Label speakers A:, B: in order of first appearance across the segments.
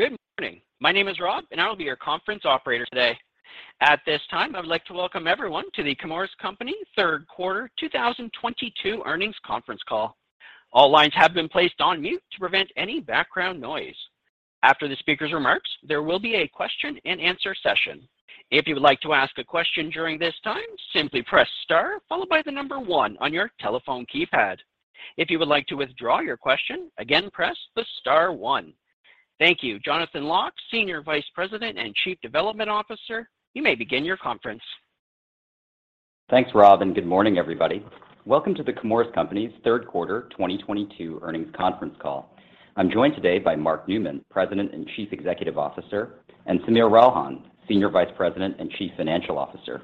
A: Good morning. My name is Rob, and I will be your conference operator today. At this time, I would like to welcome everyone to The Chemours Company third quarter 2022 earnings conference call. All lines have been placed on mute to prevent any background noise. After the speaker's remarks, there will be a question and answer session. If you would like to ask a question during this time, simply press star followed by the number one on your telephone keypad. If you would like to withdraw your question, again press the star one. Thank you, Jonathan Lock, Senior Vice President and Chief Development Officer. You may begin your conference.
B: Thanks, Rob, and good morning, everybody. Welcome to The Chemours Company's third quarter 2022 earnings conference call. I'm joined today by Mark Newman, President and Chief Executive Officer, and Sameer Ralhan, Senior Vice President and Chief Financial Officer.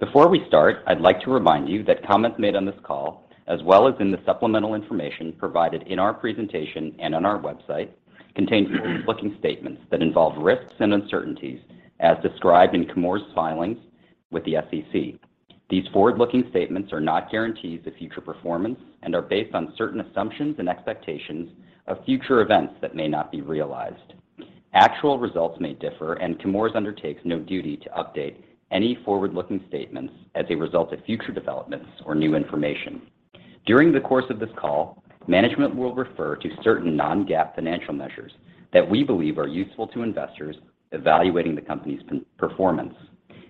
B: Before we start, I'd like to remind you that comments made on this call, as well as in the supplemental information provided in our presentation and on our website, contain forward-looking statements that involve risks and uncertainties as described in Chemours' filings with the SEC. These forward-looking statements are not guarantees of future performance and are based on certain assumptions and expectations of future events that may not be realized. Actual results may differ, and Chemours undertakes no duty to update any forward-looking statements as a result of future developments or new information. During the course of this call, management will refer to certain non-GAAP financial measures that we believe are useful to investors evaluating the company's performance.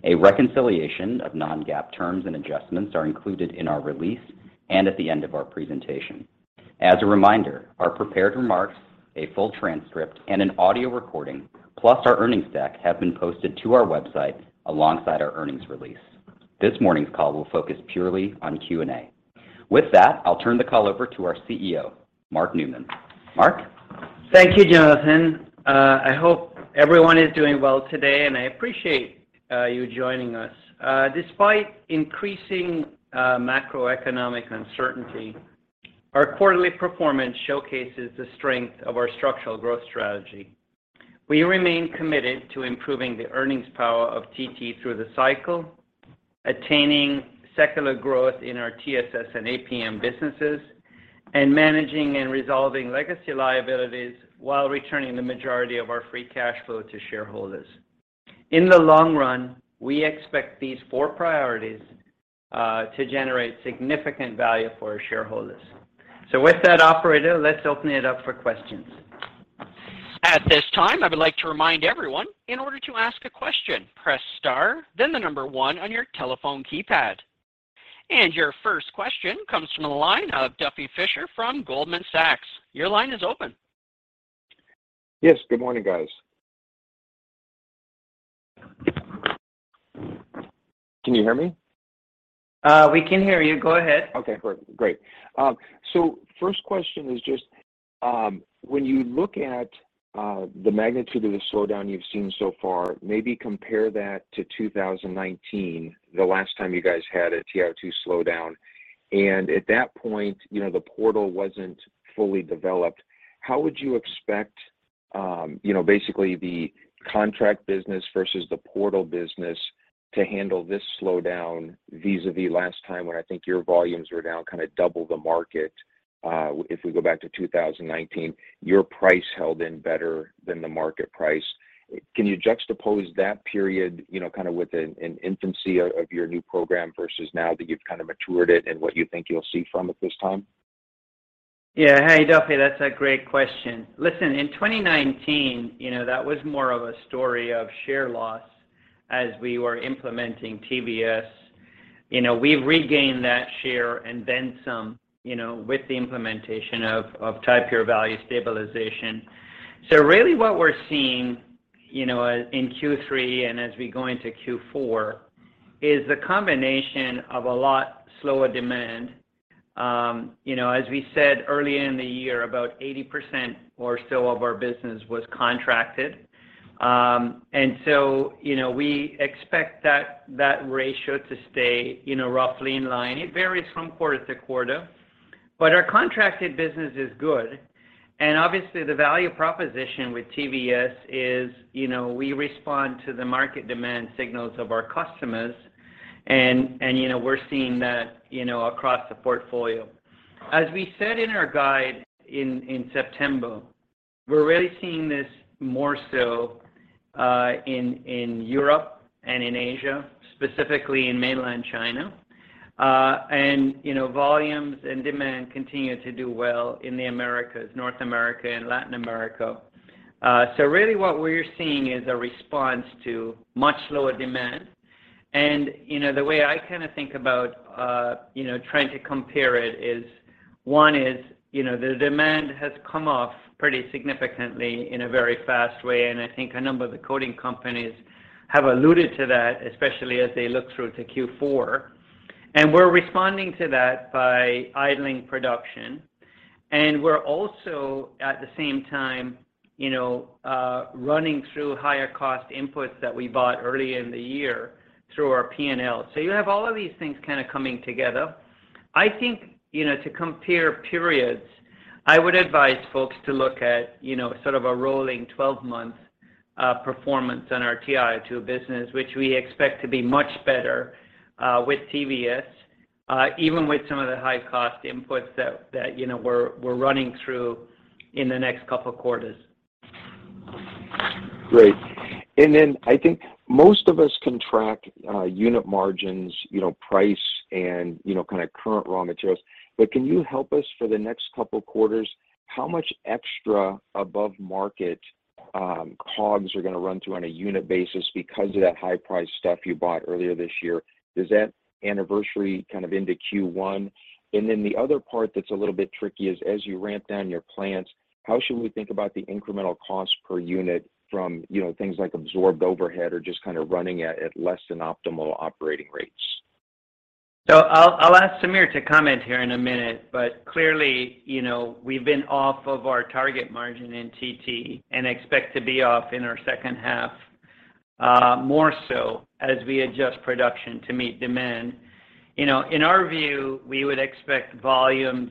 B: A reconciliation of non-GAAP terms and adjustments are included in our release and at the end of our presentation. As a reminder, our prepared remarks, a full transcript, and an audio recording, plus our earnings deck, have been posted to our website alongside our earnings release. This morning's call will focus purely on Q and A. With that, I'll turn the call over to our CEO, Mark Newman. Mark?
C: Thank you, Jonathan. I hope everyone is doing well today, and I appreciate you joining us. Despite increasing macroeconomic uncertainty, our quarterly performance showcases the strength of our structural growth strategy. We remain committed to improving the earnings power of TT through the cycle, attaining secular growth in our TSS and APM businesses, and managing and resolving legacy liabilities while returning the majority of our free cash flow to shareholders. In the long run, we expect these four priorities to generate significant value for our shareholders. With that, operator, let's open it up for questions.
A: At this time, I would like to remind everyone, in order to ask a question, press star, then the number one on your telephone keypad. Your first question comes from the line of Duffy Fischer from Goldman Sachs. Your line is open.
D: Yes. Good morning, guys. Can you hear me?
A: We can hear you. Go ahead.
D: Okay. Great. First question is just, when you look at the magnitude of the slowdown you've seen so far, maybe compare that to 2019, the last time you guys had a TiO2 slowdown. At that point, you know, the portal wasn't fully developed. How would you expect, you know, basically the contract business versus the portal business to handle this slowdown vis-à-vis last time when I think your volumes were down kinda double the market, if we go back to 2019. Your price held in better than the market price. Can you juxtapose that period, you know, kinda with an infancy of your new program versus now that you've kind of matured it and what you think you'll see from it this time?
C: Yeah. Hey, Duffy, that's a great question. Listen, in 2019, you know, that was more of a story of share loss as we were implementing TVS. You know, we've regained that share and then some, you know, with the implementation of Ti-Pure Value Stabilization. Really what we're seeing, you know, in Q3 and as we go into Q4 is the combination of a lot slower demand. You know, as we said earlier in the year, about 80% or so of our business was contracted. You know, we expect that ratio to stay, you know, roughly in line. It varies from quarter to quarter. Our contracted business is good, and obviously the value proposition with TVS is, you know, we respond to the market demand signals of our customers and, you know, we're seeing that, you know, across the portfolio. As we said in our guide in September, we're really seeing this more so in Europe and in Asia, specifically in Mainland China. Volumes and demand continue to do well in the Americas, North America and Latin America. So really what we're seeing is a response to much lower demand. The way I kinda think about trying to compare it is one is, you know, the demand has come off pretty significantly in a very fast way, and I think a number of the coating companies have alluded to that, especially as they look through to Q4. We're responding to that by idling production, and we're also, at the same time, you know, running through higher cost inputs that we bought earlier in the year through our P&L. You have all of these things kinda coming together. I think, you know, to compare periods, I would advise folks to look at, you know, sort of a rolling 12-month performance on our TiO2 business, which we expect to be much better, with TVS, even with some of the high cost inputs that you know we're running through in the next couple of quarters.
D: Great. I think most of us can track unit margins, you know, price and, you know, kind of current raw materials. Can you help us for the next couple of quarters, how much extra above market COGS you're gonna run through on a unit basis because of that high price stuff you bought earlier this year? Does that anniversary kind of into Q1? The other part that's a little bit tricky is as you ramp down your plants, how should we think about the incremental cost per unit from, you know, things like absorbed overhead or just kind of running at less than optimal operating rates?
C: I'll ask Sameer to comment here in a minute, but clearly, you know, we've been off of our target margin in TT and expect to be off in our second half, more so as we adjust production to meet demand. You know, in our view, we would expect volumes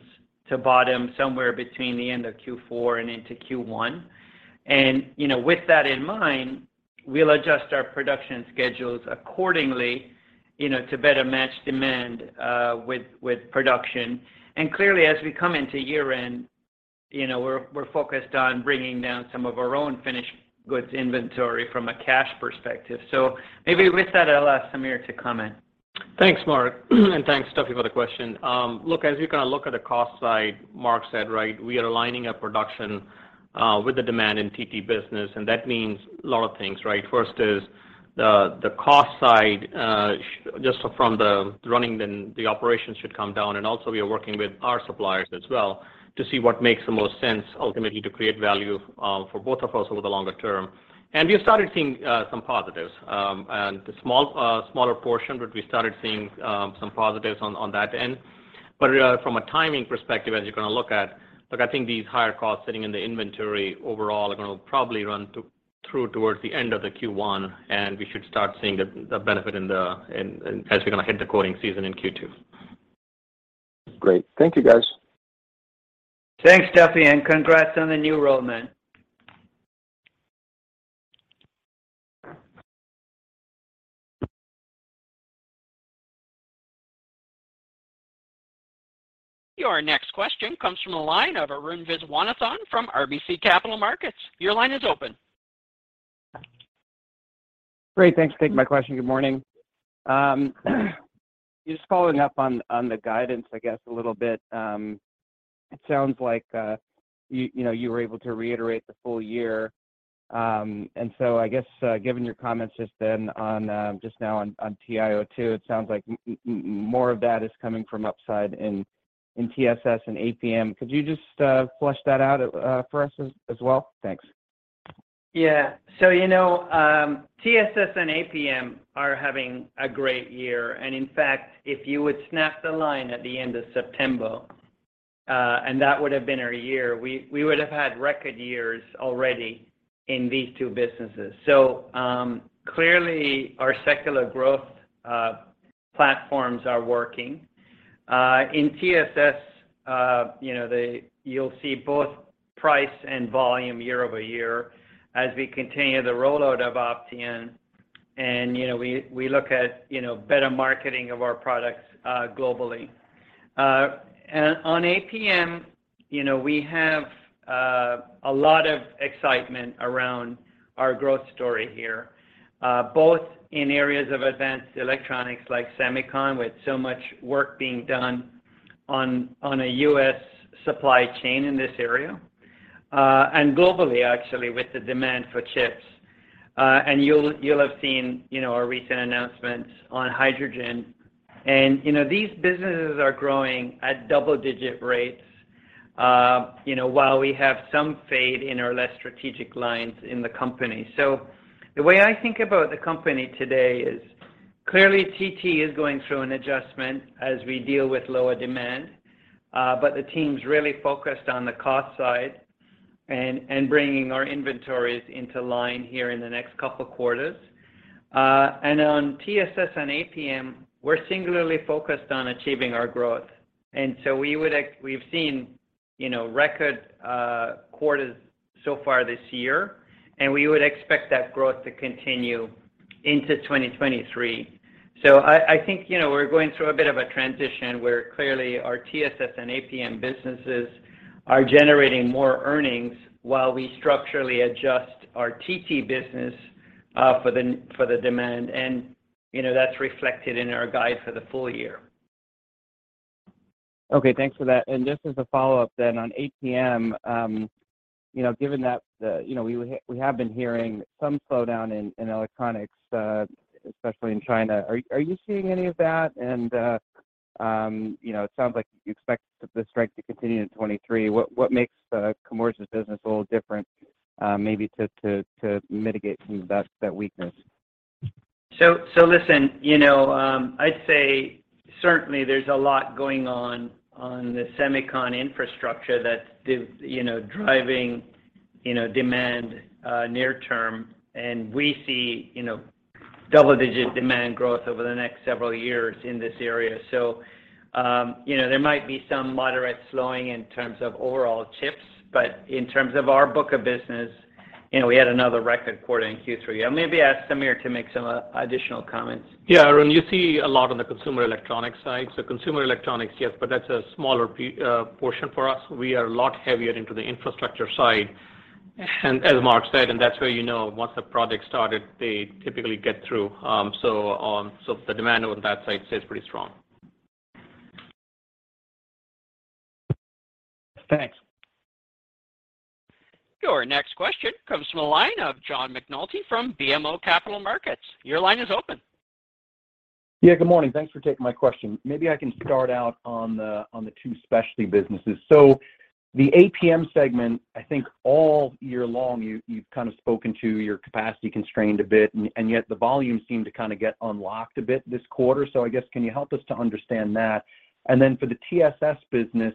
C: to bottom somewhere between the end of Q4 and into Q1. You know, with that in mind, we'll adjust our production schedules accordingly, you know, to better match demand with production. Clearly, as we come into year-end, you know, we're focused on bringing down some of our own finished goods inventory from a cash perspective. Maybe with that, I'll ask Sameer to comment.
E: Thanks, Mark. Thanks, Duffy, for the question. Look, as you kind of look at the cost side, Mark said, right, we are lining up production with the demand in TiO2 business, and that means a lot of things, right? First is the cost side just from running the operations should come down. We are working with our suppliers as well to see what makes the most sense ultimately to create value for both of us over the longer term. We have started seeing some positives on that end. From a timing perspective, as you're gonna look at, look, I think these higher costs sitting in the inventory overall are gonna probably run through towards the end of the Q1, and we should start seeing the benefit in as we're gonna hit the coating season in Q2.
D: Great. Thank you, guys.
C: Thanks, Duffy, and congrats on the new role, man.
A: Your next question comes from the line of Arun Viswanathan from RBC Capital Markets. Your line is open.
F: Great. Thanks. Thank you for taking my question. Good morning. Just following up on the guidance, I guess, a little bit. It sounds like you know you were able to reiterate the full year. I guess, given your comments just now on TiO2, it sounds like more of that is coming from upside in TSS and APM. Could you just flesh that out for us as well? Thanks.
C: So, you know, TSS and APM are having a great year. In fact, if you would snap the line at the end of September, and that would have been our year, we would have had record years already in these two businesses. Clearly, our secular growth platforms are working. In TSS, you know, you'll see both price and volume year-over-year as we continue the rollout of Opteon. You know, we look at, you know, better marketing of our products globally. On APM, you know, we have a lot of excitement around our growth story here, both in areas of advanced electronics like semicon, with so much work being done on a U.S. supply chain in this area, and globally, actually, with the demand for chips. You'll have seen, you know, our recent announcements on hydrogen. You know, these businesses are growing at double-digit rates, you know, while we have some fade in our less strategic lines in the company. The way I think about the company today is clearly TT is going through an adjustment as we deal with lower demand, but the team's really focused on the cost side and bringing our inventories into line here in the next couple quarters. On TSS and APM, we're singularly focused on achieving our growth. We've seen, you know, record quarters so far this year, and we would expect that growth to continue into 2023. I think, you know, we're going through a bit of a transition where clearly our TSS and APM businesses are generating more earnings while we structurally adjust our TT business for the demand. You know, that's reflected in our guide for the full year.
F: Okay, thanks for that. Just as a follow-up then on APM, you know, given that, you know, we have been hearing some slowdown in electronics, especially in China, are you seeing any of that? It sounds like you expect the strength to continue in 2023. What makes Chemours' business a little different, maybe to mitigate some of that weakness?
C: Listen, you know, I'd say certainly there's a lot going on the semicon infrastructure that's driving, you know, demand near term. We see double-digit demand growth over the next several years in this area. You know, there might be some moderate slowing in terms of overall chips, but in terms of our book of business, you know, we had another record quarter in Q3. I'll maybe ask Sameer to make some additional comments.
E: Yeah, Arun, you see a lot on the consumer electronics side. Consumer electronics, yes, but that's a smaller portion for us. We are a lot heavier into the infrastructure side. As Mark said, that's where, you know, once a project started, they typically get through. The demand on that side stays pretty strong.
F: Thanks.
A: Your next question comes from the line of John McNulty from BMO Capital Markets. Your line is open.
G: Yeah, good morning. Thanks for taking my question. Maybe I can start out on the two specialty businesses. The APM segment, I think all year long, you've kind of spoken to your capacity constrained a bit and yet the volume seemed to kind of get unlocked a bit this quarter. I guess, can you help us to understand that? Then for the TSS business,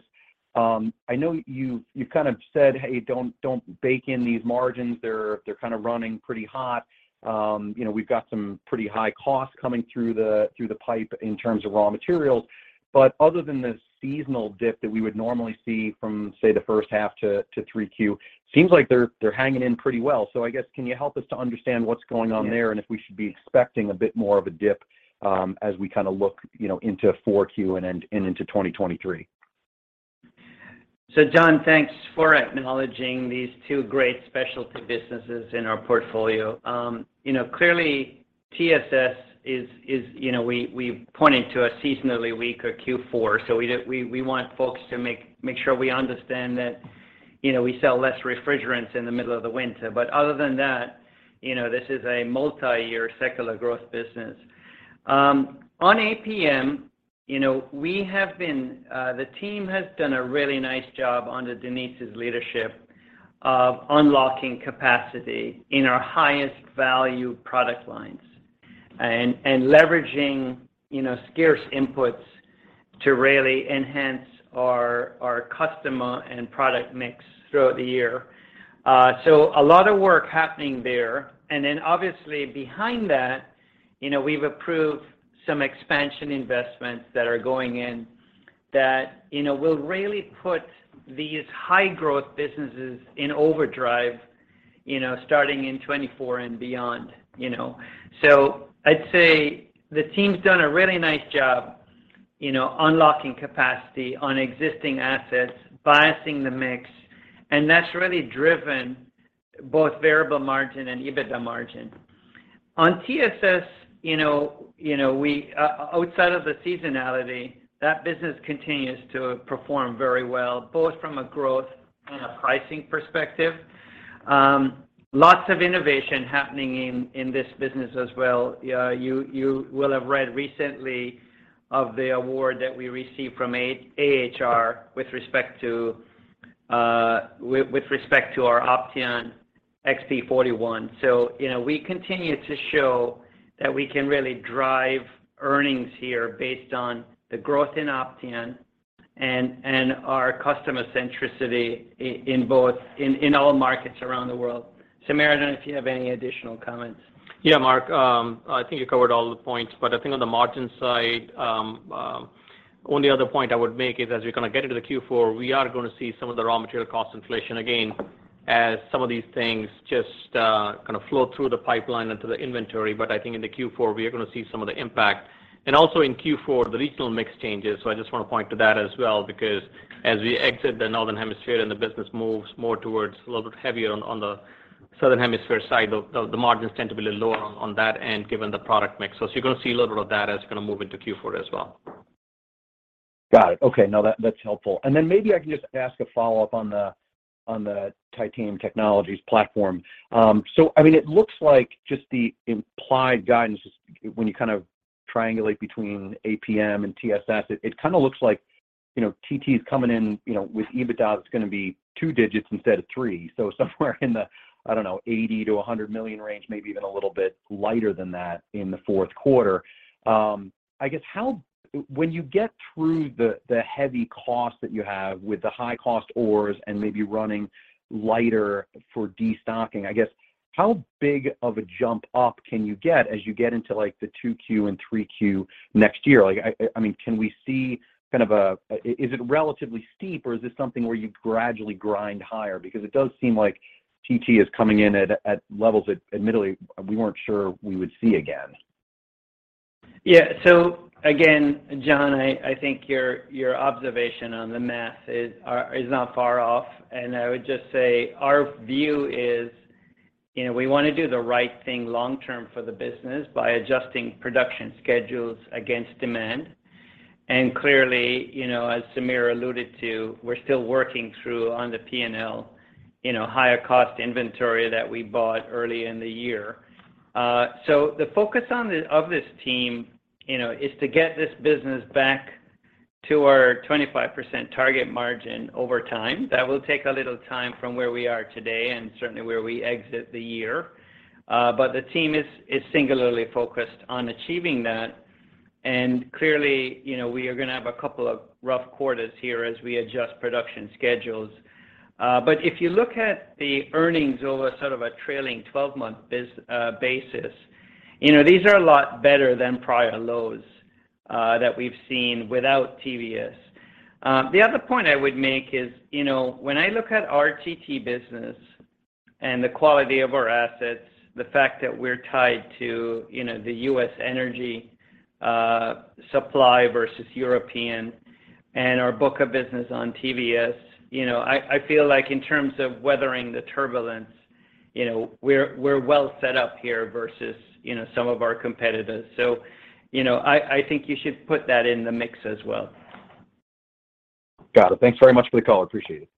G: I know you've kind of said, "Hey, don't bake in these margins. They're kind of running pretty hot. You know, we've got some pretty high costs coming through the pipe in terms of raw materials." Other than the seasonal dip that we would normally see from, say, the first half to Q3, seems like they're hanging in pretty well. I guess, can you help us to understand what's going on there?
C: Yes
G: if we should be expecting a bit more of a dip, as we kind of look, you know, into Q4 and then into 2023?
C: John, thanks for acknowledging these two great specialty businesses in our portfolio. Clearly TSS is we pointed to a seasonally weaker Q4, so we want folks to make sure we understand that we sell less refrigerants in the middle of the winter. But other than that, this is a multi-year secular growth business. On APM, we have been the team has done a really nice job under Denise's leadership of unlocking capacity in our highest value product lines and leveraging scarce inputs to really enhance our customer and product mix throughout the year. A lot of work happening there. Then obviously behind that, you know, we've approved some expansion investments that are going in that, you know, will really put these high growth businesses in overdrive, you know, starting in 2024 and beyond, you know. I'd say the team's done a really nice job, you know, unlocking capacity on existing assets, biasing the mix, and that's really driven both variable margin and EBITDA margin. On TSS, you know, we outside of the seasonality, that business continues to perform very well, both from a growth and a pricing perspective. Lots of innovation happening in this business as well. You will have read recently of the award that we received from AHR with respect to our Opteon XP41. You know, we continue to show that we can really drive earnings here based on the growth in Opteon and our customer centricity in both in all markets around the world. Sameer, I don't know if you have any additional comments.
E: Yeah, Mark. I think you covered all the points. I think on the margin side, only other point I would make is as we kind of get into the Q4, we are gonna see some of the raw material cost inflation again as some of these things just kind of flow through the pipeline into the inventory. I think in the Q4, we are gonna see some of the impact. Also in Q4, the regional mix changes. I just wanna point to that as well because as we exit the Northern Hemisphere and the business moves more towards a little bit heavier on the Southern Hemisphere side, the margins tend to be a little lower on that end given the product mix. You're gonna see a little bit of that as you kind of move into Q4 as well.
G: Got it. Okay. No, that's helpful. Then maybe I can just ask a follow-up on the Titanium Technologies platform. I mean, it looks like just the implied guidance is when you kind of triangulate between APM and TSS, it kind of looks like, you know, TT is coming in, you know, with EBITDA that's gonna be two digits instead of three. So somewhere in the, I don't know, $80 million-$100 million range, maybe even a little bit lighter than that in the fourth quarter. I guess when you get through the heavy costs that you have with the high cost ores and maybe running lighter for destocking, I guess how big of a jump up can you get as you get into like the Q2and Q3 next year? Like, I mean, can we see kind of, is it relatively steep, or is this something where you gradually grind higher? Because it does seem like TT is coming in at levels that admittedly we weren't sure we would see again.
C: Yeah. Again, John, I think your observation on the math is not far off. I would just say our view is, you know, we wanna do the right thing long term for the business by adjusting production schedules against demand. Clearly, you know, as Sameer alluded to, we're still working through on the P&L, you know, higher cost inventory that we bought early in the year. The focus of this team, you know, is to get this business back to our 25% target margin over time. That will take a little time from where we are today and certainly where we exit the year. The team is singularly focused on achieving that. Clearly, you know, we are gonna have a couple of rough quarters here as we adjust production schedules. If you look at the earnings over sort of a trailing 12-month basis, you know, these are a lot better than prior lows that we've seen without TVS. The other point I would make is, you know, when I look at our TT business and the quality of our assets, the fact that we're tied to, you know, the U.S. energy supply versus European and our book of business on TVS, you know, I feel like in terms of weathering the turbulence, you know, we're well set up here versus, you know, some of our competitors. I think you should put that in the mix as well.
G: Got it. Thanks very much for the call. Appreciate it.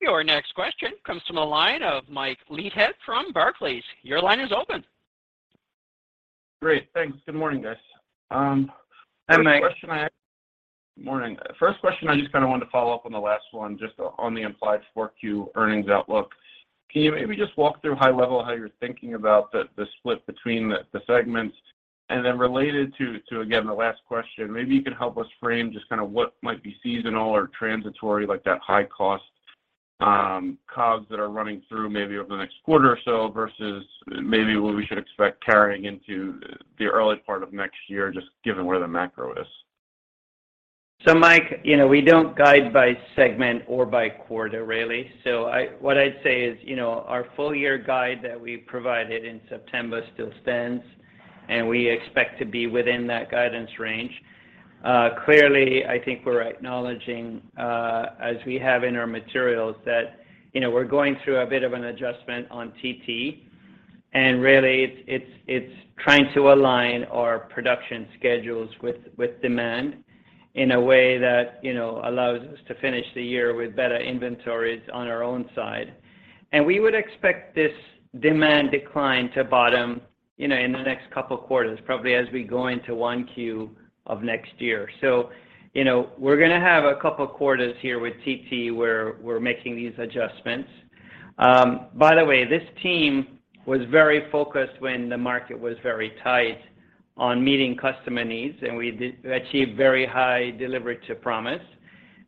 A: Your next question comes from the line of Mike Leithead from Barclays. Your line is open.
H: Great. Thanks. Good morning, guys.
C: Hi, Mike.
H: First question, I just kinda wanted to follow up on the last one just on the implied Q4 earnings outlook. Can you maybe just walk through high level how you're thinking about the split between the segments? Then related to again the last question, maybe you could help us frame just kinda what might be seasonal or transitory like that high cost COGS that are running through maybe over the next quarter or so versus maybe what we should expect carrying into the early part of next year, just given where the macro is.
C: Mike, you know, we don't guide by segment or by quarter really. What I'd say is, you know, our full year guide that we provided in September still stands, and we expect to be within that guidance range. Clearly, I think we're acknowledging, as we have in our materials that, you know, we're going through a bit of an adjustment on TT, and really it's trying to align our production schedules with demand in a way that, you know, allows us to finish the year with better inventories on our own side. We would expect this demand decline to bottom, you know, in the next couple of quarters, probably as we go into Q1 of next year. You know, we're gonna have a couple quarters here with TT where we're making these adjustments. By the way, this team was very focused when the market was very tight on meeting customer needs, and we did achieve very high delivery to promise.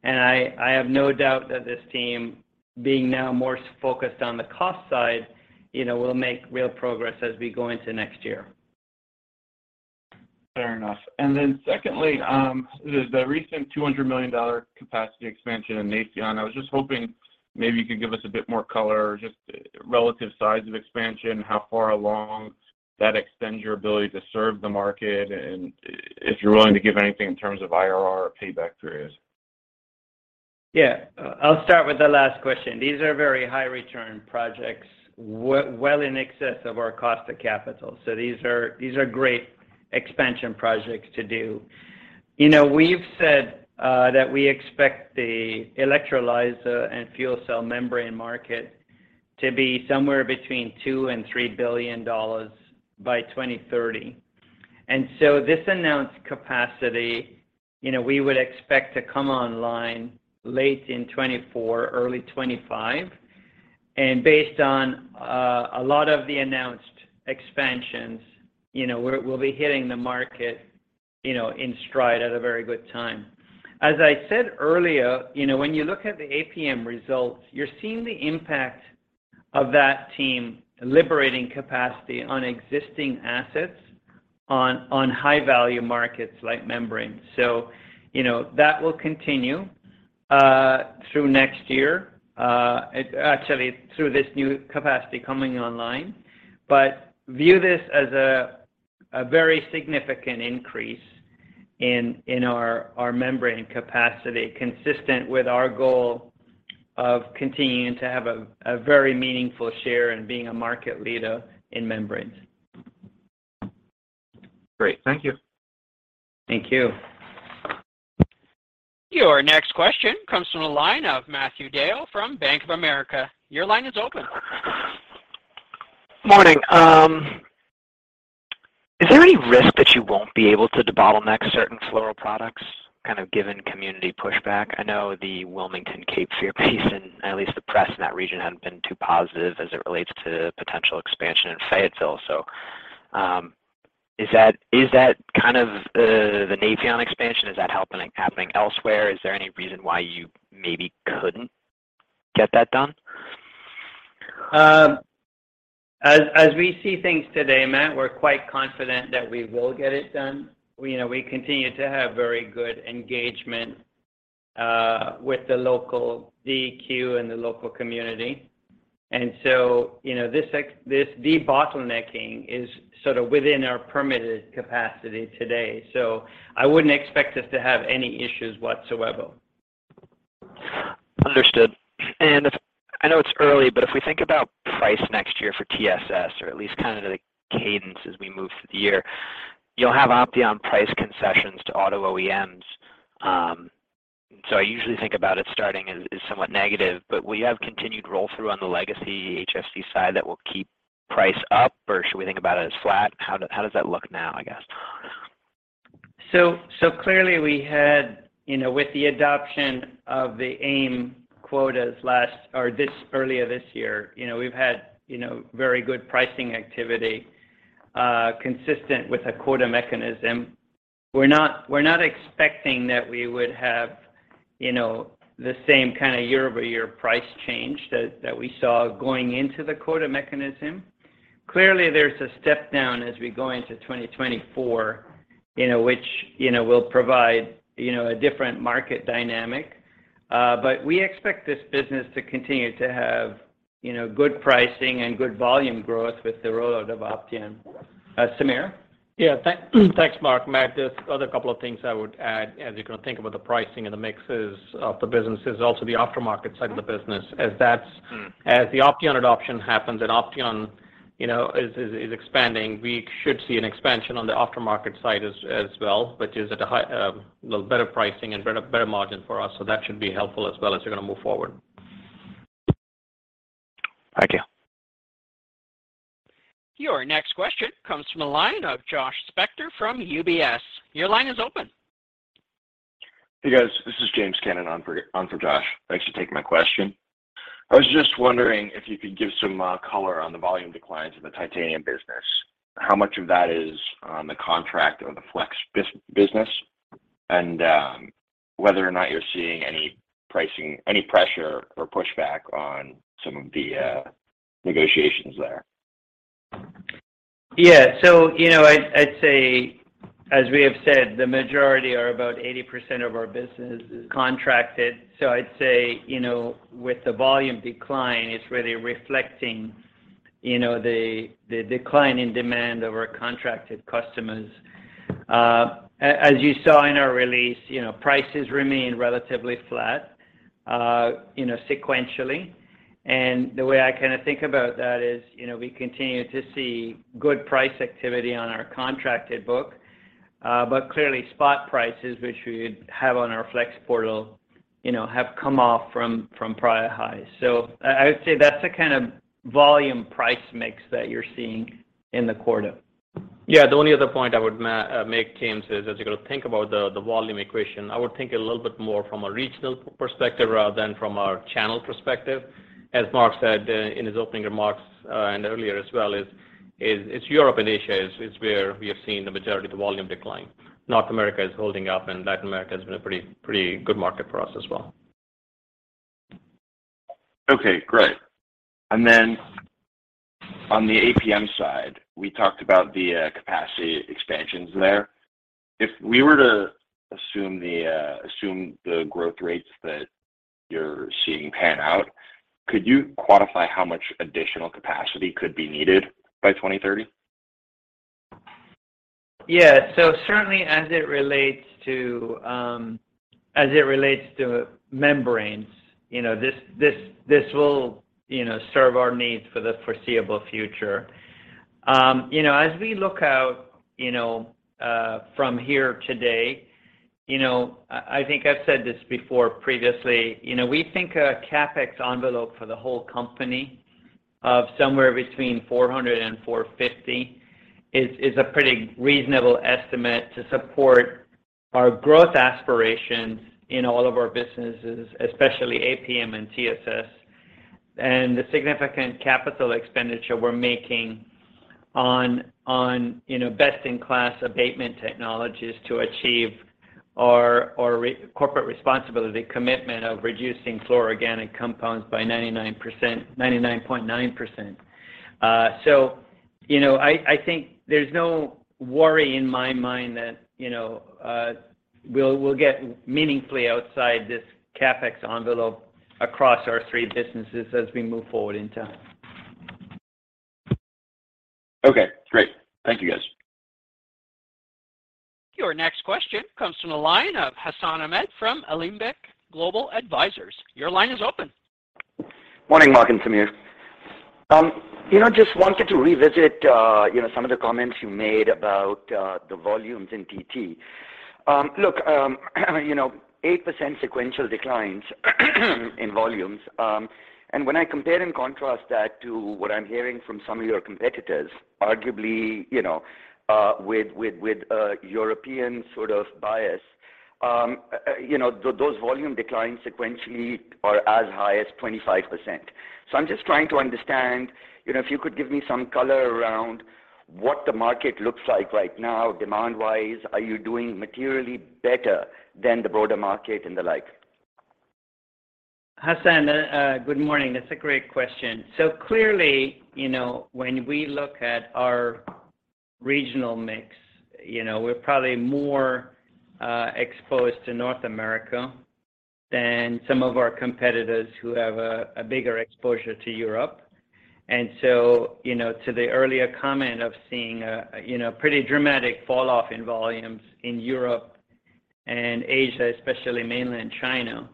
C: I have no doubt that this team being now more focused on the cost side, you know, will make real progress as we go into next year.
H: Fair enough. Secondly, the recent $200 million capacity expansion in Fayetteville, I was just hoping maybe you could give us a bit more color, just relative size of expansion, how far along that extends your ability to serve the market, and if you're willing to give anything in terms of IRR or payback periods.
C: Yeah. I'll start with the last question. These are very high return projects well in excess of our cost of capital. These are great expansion projects to do. You know, we've said that we expect the electrolyzer and fuel cell membrane market to be somewhere between $2 billion and $3 billion by 2030. This announced capacity, you know, we would expect to come online late in 2024, early 2025. Based on a lot of the announced expansions, you know, we'll be hitting the market, you know, in stride at a very good time. As I said earlier, you know, when you look at the APM results, you're seeing the impact of that team liberating capacity on existing assets on high value markets like membrane. You know, that will continue through next year actually through this new capacity coming online. View this as a very significant increase in our membrane capacity, consistent with our goal of continuing to have a very meaningful share in being a market leader in membranes.
H: Great. Thank you.
C: Thank you.
A: Your next question comes from the line of Matthew DeYoe from Bank of America. Your line is open.
I: Morning. Is there any risk that you won't be able to debottleneck certain fluoropolymer products, kind of given community pushback? I know the Wilmington Cape Fear piece and at least the press in that region hadn't been too positive as it relates to potential expansion in Fayetteville. Is that kind of the Fayetteville expansion? Is that happening elsewhere? Is there any reason why you maybe couldn't get that done?
C: As we see things today, Matt, we're quite confident that we will get it done. You know, we continue to have very good engagement with the local DEQ and the local community. You know, this debottlenecking is sort of within our permitted capacity today. I wouldn't expect us to have any issues whatsoever.
I: Understood. It's early, but if we think about price next year for TSS or at least kind of the cadence as we move through the year, you'll have Opteon price concessions to auto OEMs. I usually think about it starting as somewhat negative. Will you have continued roll-through on the legacy HFC side that will keep price up? Or should we think about it as flat? How does that look now, I guess?
C: Clearly we had, you know, with the adoption of the AIM quotas earlier this year, you know, we've had, you know, very good pricing activity consistent with a quota mechanism. We're not expecting that we would have, you know, the same kind of year-over-year price change that we saw going into the quota mechanism. Clearly, there's a step down as we go into 2024, you know, which, you know, will provide, you know, a different market dynamic. We expect this business to continue to have, you know, good pricing and good volume growth with the rollout of Opteon. Sameer?
E: Yeah. Thanks, Mark. Mark, there's other couple of things I would add as you kind of think about the pricing and the mixes of the businesses, also the aftermarket side of the business as that's.
C: Mm.
E: As the Opteon adoption happens and Opteon, you know, is expanding, we should see an expansion on the aftermarket side as well, which is at a higher, a little better pricing and better margin for us. That should be helpful as we're gonna move forward.
I: Thank you.
A: Your next question comes from the line of Josh Spector from UBS. Your line is open.
J: Hey, guys. This is James Cannon on for Josh. Thanks for taking my question. I was just wondering if you could give some color on the volume declines in the titanium business. How much of that is on the contract or the flex business? Whether or not you're seeing any pricing pressure or pushback on some of the negotiations there.
C: Yeah. You know, I'd say, as we have said, the majority or about 80% of our business is contracted. I'd say, you know, with the volume decline, it's really reflecting, you know, the decline in demand of our contracted customers. As you saw in our release, you know, prices remain relatively flat, you know, sequentially. The way I kinda think about that is, you know, we continue to see good price activity on our contracted book. But clearly spot prices, which we have on our flex portal, you know, have come off from prior highs. I would say that's the kind of volume price mix that you're seeing in the quarter.
E: Yeah. The only other point I would make, James, is as you kind of think about the volume equation, I would think a little bit more from a regional perspective rather than from our channel perspective. As Mark said in his opening remarks and earlier as well, it's Europe and Asia where we have seen the majority of the volume decline. North America is holding up, and Latin America has been a pretty good market for us as well.
J: Okay. Great. On the APM side, we talked about the capacity expansions there. If we were to assume the growth rates that you're seeing pan out, could you quantify how much additional capacity could be needed by 2030?
C: Yeah. Certainly as it relates to membranes, you know, this will serve our needs for the foreseeable future. You know, as we look out from here today, you know, I think I've said this before previously, you know, we think a CapEx envelope for the whole company of somewhere between $400 and $450 is a pretty reasonable estimate to support our growth aspirations in all of our businesses, especially APM and TSS. The significant capital expenditure we're making on best-in-class abatement technologies to achieve our corporate responsibility commitment of reducing fluorinated organic compounds by 99%, 99.9%. you know, I think there's no worry in my mind that, you know, we'll get meaningfully outside this CapEx envelope across our three businesses as we move forward in time.
J: Okay. Great. Thank you, guys.
A: Your next question comes from the line of Hassan Ahmed from Alembic Global Advisors. Your line is open.
K: Morning, Mark and Sameer. You know, just wanted to revisit, you know, some of the comments you made about the volumes in TT. You know, 8% sequential declines in volumes. When I compare and contrast that to what I'm hearing from some of your competitors, arguably, you know, with a European sort of bias, you know, those volume declines sequentially are as high as 25%. I'm just trying to understand, you know, if you could give me some color around what the market looks like right now demand-wise. Are you doing materially better than the broader market and the like?
C: Hassan, good morning. That's a great question. Clearly, you know, when we look at our regional mix, you know, we're probably more exposed to North America than some of our competitors who have a bigger exposure to Europe. You know, to the earlier comment of seeing a you know pretty dramatic fall off in volumes in Europe and Asia, especially mainland China,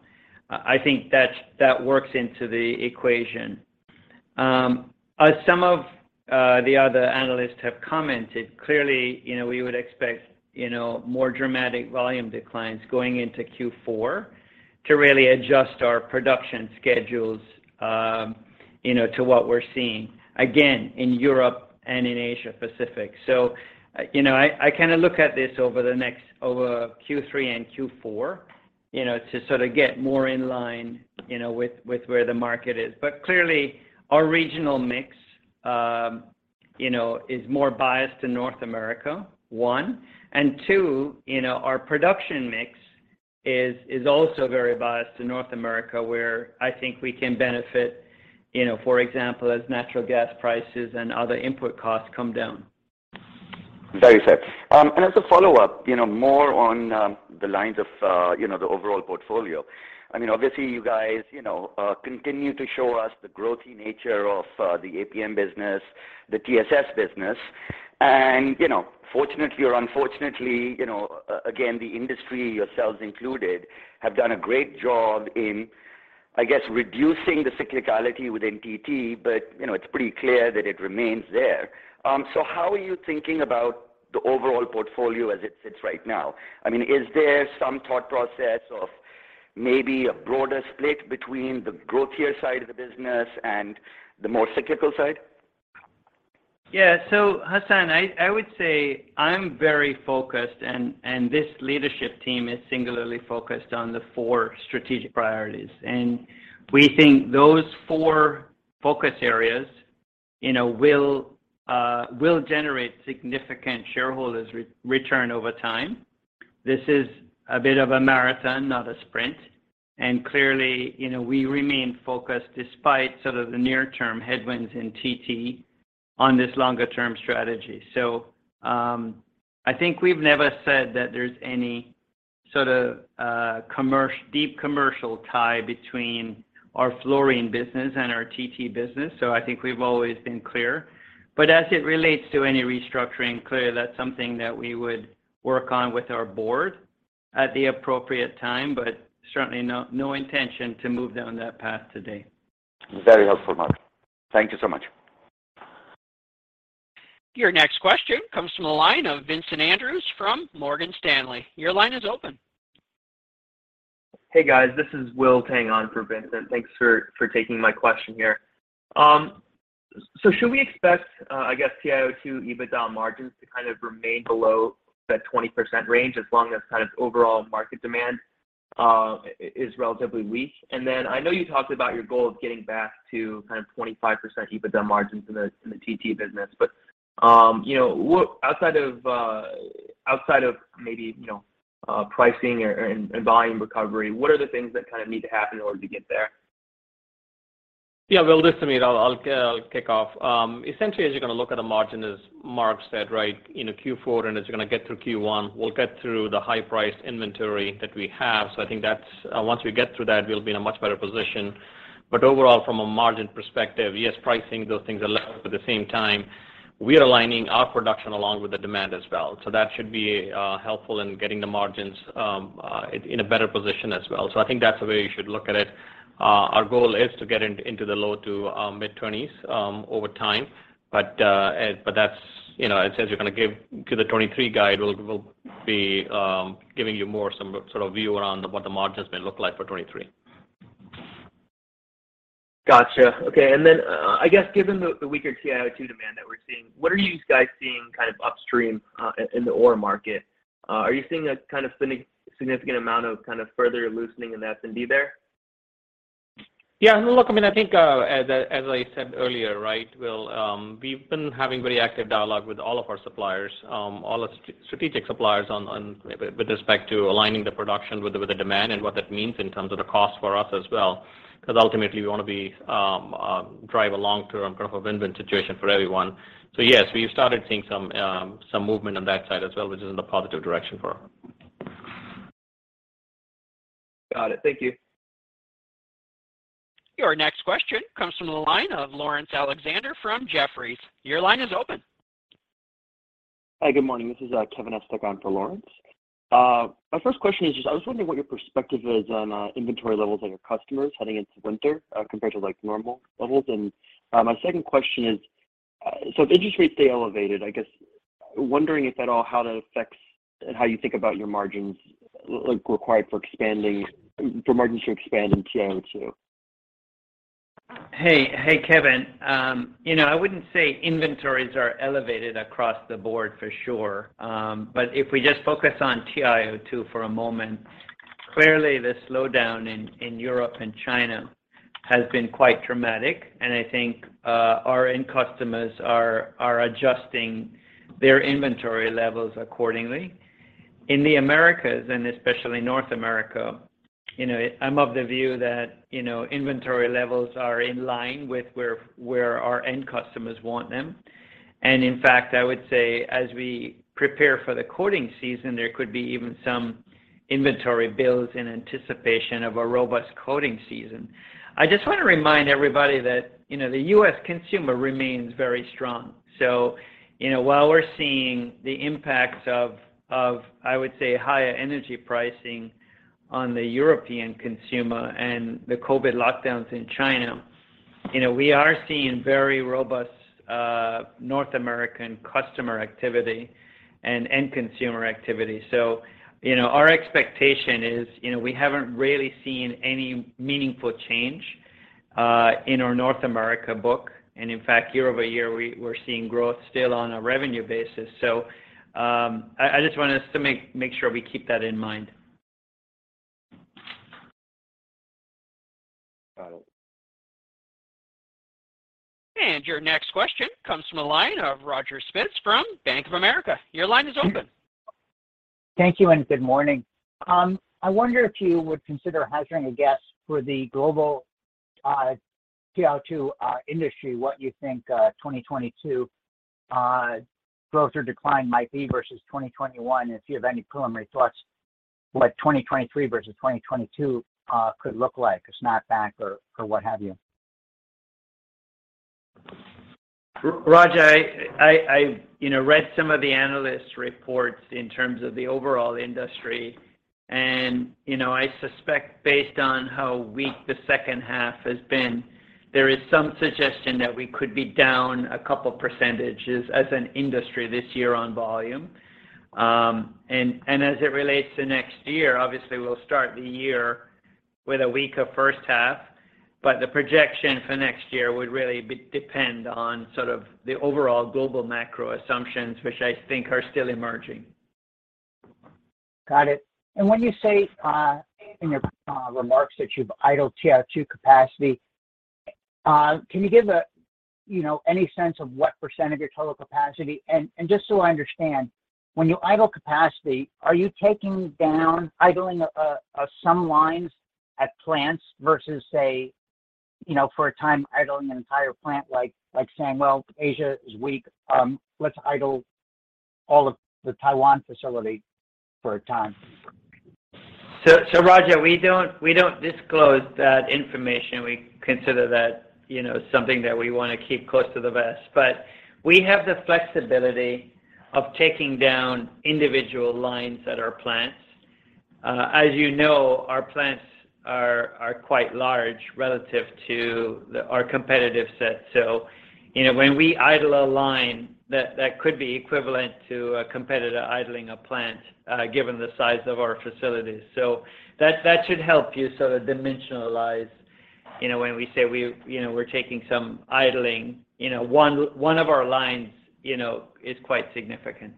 C: I think that works into the equation. As some of the other analysts have commented, clearly, you know, we would expect you know more dramatic volume declines going into Q4 to really adjust our production schedules. You know, to what we're seeing, again, in Europe and in Asia Pacific. You know, I kinda look at this over Q3 and Q4, you know, to sort of get more in line, you know, with where the market is. Clearly our regional mix, you know, is more biased to North America, one, and two, you know, our production mix is also very biased to North America, where I think we can benefit, you know, for example, as natural gas prices and other input costs come down.
K: Very fair. As a follow-up, you know, more on the lines of, you know, the overall portfolio. I mean, obviously you guys, you know, continue to show us the growthy nature of the APM business, the TSS business. You know, fortunately or unfortunately, you know, again, the industry, yourselves included, have done a great job in, I guess, reducing the cyclicality with TVS, but, you know, it's pretty clear that it remains there. How are you thinking about the overall portfolio as it sits right now? I mean, is there some thought process of maybe a broader split between the growthier side of the business and the more cyclical side?
C: Yeah. Hassan, I would say I'm very focused and this leadership team is singularly focused on the four strategic priorities. We think those four focus areas, you know, will generate significant shareholder return over time. This is a bit of a marathon, not a sprint. Clearly, you know, we remain focused despite sort of the near term headwinds in TT on this longer term strategy. I think we've never said that there's any sort of deep commercial tie between our fluorine business and our TT business, so I think we've always been clear. As it relates to any restructuring, clearly that's something that we would work on with our board at the appropriate time, but certainly no intention to move down that path today.
K: Very helpful, Mark. Thank you so much.
A: Your next question comes from the line of Vincent Andrews from Morgan Stanley. Your line is open.
L: Hey guys, this is William Tang on for Vincent Andrews. Thanks for taking my question here. Should we expect, I guess, TiO2 EBITDA margins to kind of remain below that 20% range as long as kind of overall market demand is relatively weak? I know you talked about your goal of getting back to kind of 25% EBITDA margins in the TT business. You know, what outside of maybe, you know, pricing or and volume recovery, what are the things that kind of need to happen in order to get there?
E: Yeah. William Tang, this is Sameer Ralhan. I'll kick off. Essentially as you're gonna look at the margin, as Mark Newman said, right, you know, Q4, and as you're gonna get through Q1, we'll get through the high priced inventory that we have. I think that's once we get through that, we'll be in a much better position. Overall, from a margin perspective, yes, pricing, those things are low. At the same time, we are aligning our production along with the demand as well. That should be helpful in getting the margins in a better position as well. I think that's the way you should look at it. Our goal is to get into the low- to mid-20s% over time. That's, you know. As we're gonna give you the 2023 guide, we'll be giving you more, some sort of view around what the margins may look like for 2023.
L: Gotcha. Okay. Then, I guess given the weaker TiO2 demand that we're seeing, what are you guys seeing kind of upstream in the ore market? Are you seeing a kind of significant amount of kind of further loosening in the S&D there?
E: Yeah. Look, I mean, I think, as I said earlier, right, Will, we've been having very active dialogue with all of our suppliers, all our strategic suppliers on with respect to aligning the production with the demand and what that means in terms of the cost for us as well. Because ultimately we wanna be driven to improve a win-win situation for everyone. Yes, we've started seeing some movement on that side as well, which is in the positive direction for us.
L: Got it. Thank you.
A: Your next question comes from the line of Laurence Alexander from Jefferies. Your line is open.
M: Hi, good morning. This is Kevin Estok on for Laurence. My first question is just, I was wondering what your perspective is on inventory levels on your customers heading into winter compared to, like, normal levels. My second question is, so if interest rates stay elevated, I guess wondering if at all how that affects how you think about your margins, like, required for margins to expand in TiO2.
C: Hey, Kevin. You know, I wouldn't say inventories are elevated across the board for sure. But if we just focus on TiO2 for a moment, clearly the slowdown in Europe and China has been quite dramatic. I think our end customers are adjusting their inventory levels accordingly. In the Americas and especially North America, you know, I'm of the view that, you know, inventory levels are in line with where our end customers want them. In fact, I would say as we prepare for the coating season, there could be even some inventory builds in anticipation of a robust coating season. I just wanna remind everybody that, you know, the U.S. consumer remains very strong. You know, while we're seeing the impacts of, I would say, higher energy pricing on the European consumer and the COVID lockdowns in China, you know, we are seeing very robust North American customer activity and end consumer activity. You know, our expectation is, you know, we haven't really seen any meaningful change in our North America book. In fact, year-over-year, we're seeing growth still on a revenue basis. I just want us to make sure we keep that in mind.
M: Got it.
A: Your next question comes from the line of Roger Spitz from Bank of America. Your line is open.
N: Thank you, and good morning. I wonder if you would consider hazarding a guess for the global TiO2 industry, what you think 2022 growth or decline might be versus 2021, if you have any preliminary thoughts what 2023 versus 2022 could look like, a snapback or what have you?
C: Roger, I, you know, read some of the analyst reports in terms of the overall industry. You know, I suspect based on how weak the second half has been, there is some suggestion that we could be down a couple percentages as an industry this year on volume. As it relates to next year, obviously we'll start the year with a weaker first half, but the projection for next year would really depend on sort of the overall global macro assumptions, which I think are still emerging.
N: Got it. When you say in your remarks that you've idled TiO2 capacity, can you give, you know, any sense of what percent of your total capacity? Just so I understand, when you idle capacity, are you taking down, idling some lines at plants versus, say, you know, for a time idling an entire plant, like saying, "Well, Asia is weak. Let's idle all of the Taiwan facility for a time"?
C: Roger, we don't disclose that information. We consider that, you know, something that we wanna keep close to the vest. We have the flexibility of taking down individual lines at our plants. As you know, our plants are quite large relative to our competitive set. You know, when we idle a line, that could be equivalent to a competitor idling a plant, given the size of our facilities. That should help you sort of dimensionalize, you know, when we say, you know, we're taking some idling. You know, one of our lines, you know, is quite significant.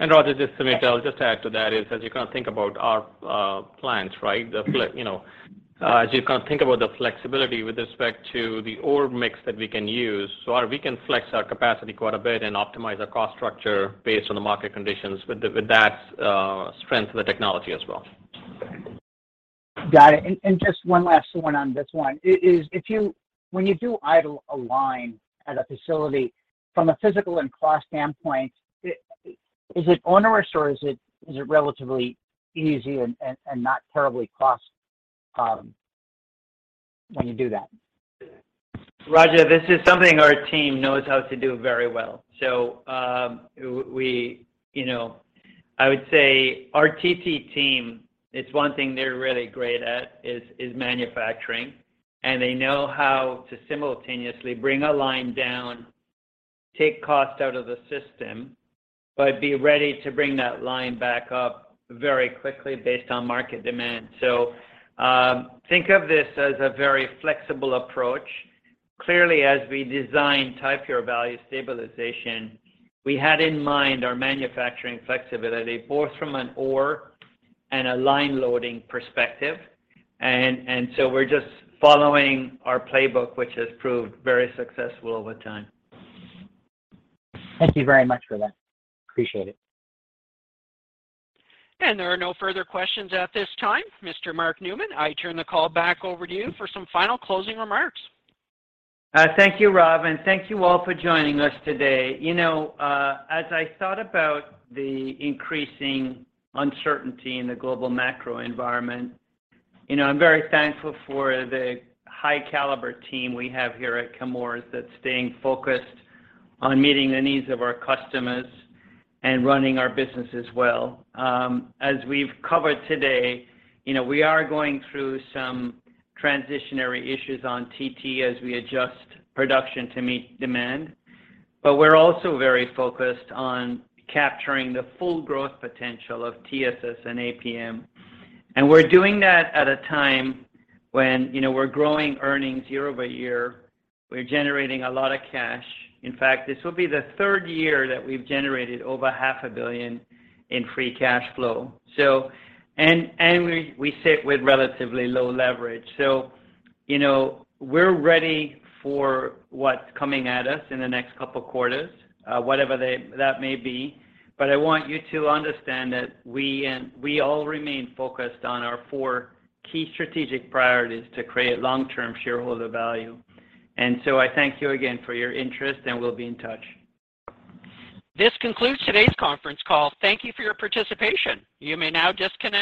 E: Roger, just Sameer, I'll just add to that, as you kind of think about our plans, right? As you kind of think about the flexibility with respect to the ore mix that we can use, we can flex our capacity quite a bit and optimize our cost structure based on the market conditions with that strength of the technology as well.
N: Got it. Just one last one on this one. When you do idle a line at a facility, from a physical and cost standpoint, is it onerous, or is it relatively easy and not terribly costly, when you do that?
C: Roger, this is something our team knows how to do very well. We, you know, I would say our TT team, it's one thing they're really great at, is manufacturing. They know how to simultaneously bring a line down, take cost out of the system, but be ready to bring that line back up very quickly based on market demand. Think of this as a very flexible approach. Clearly, as we design Ti-Pure Value Stabilization, we had in mind our manufacturing flexibility, both from an ore and a line loading perspective. We're just following our playbook, which has proved very successful over time.
N: Thank you very much for that. Appreciate it.
A: There are no further questions at this time. Mr. Mark Newman, I turn the call back over to you for some final closing remarks.
C: Thank you, Rob, and thank you all for joining us today. You know, as I thought about the increasing uncertainty in the global macro environment, you know, I'm very thankful for the high caliber team we have here at Chemours that's staying focused on meeting the needs of our customers and running our business as well. As we've covered today, you know, we are going through some transitionary issues on TT as we adjust production to meet demand. We're also very focused on capturing the full growth potential of TSS and APM. We're doing that at a time when, you know, we're growing earnings year-over-year. We're generating a lot of cash. In fact, this will be the third year that we've generated over half a billion in free cash flow. We sit with relatively low leverage. You know, we're ready for what's coming at us in the next couple quarters, whatever that may be. I want you to understand that we all remain focused on our four key strategic priorities to create long-term shareholder value. I thank you again for your interest, and we'll be in touch.
A: This concludes today's conference call. Thank you for your participation. You may now disconnect.